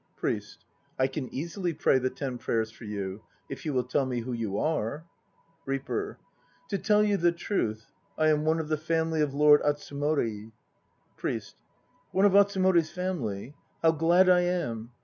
PRIEST. I can easily pray the Ten Prayers for you, if you will tell me who you are. REAPER. To tell you the truth I am one of the family of Lord Atsumori. PRIEST. One of AtsumorFs family? How glad I am!